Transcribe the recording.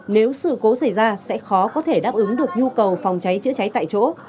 nếu sự cố xảy ra sẽ khó có thể đáp ứng được nhu cầu phòng cháy chữa cháy tại chỗ